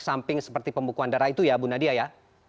samping seperti pembukuan darah itu ya bu nadia ya